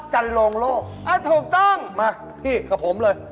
อ๋อเหรออ๋อถูกต้องมาพี่กับผมเลย